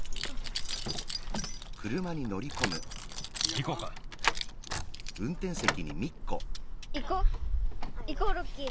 いこうか。いこう。いこうロッキー。